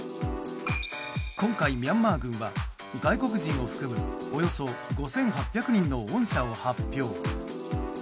今回ミャンマー軍は外国人を含むおよそ５８００人の恩赦を発表。